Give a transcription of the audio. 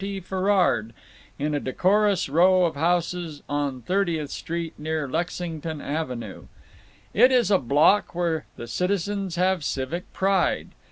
T. Ferrard, in a decorous row of houses on Thirtieth Street near Lexington Avenue. It is a block where the citizens have civic pride.